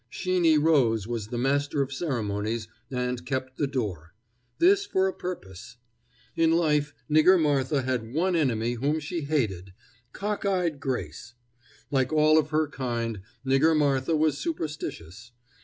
Sheeny Rose was the master of ceremonies and kept the door. This for a purpose. In life Nigger Martha had one enemy whom she hated cock eyed Grace. Like all of her kind, Nigger Martha was superstitious.